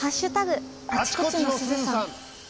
「あちこちのすずさん」。